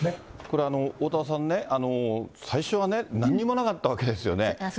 これ、おおたわさんね、最初は何もなかったわけですよね。